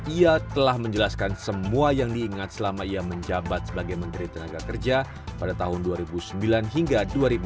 ia telah menjelaskan semua yang diingat selama ia menjabat sebagai menteri tenaga kerja pada tahun dua ribu sembilan hingga dua ribu dua puluh